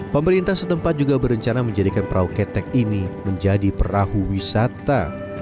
pemerintah setempat juga berencana menjadikan perahu ketek ini menjadi perahu wisata